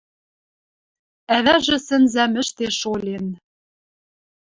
Ӓвӓжӹ сӹнзӓм ӹштеш олен.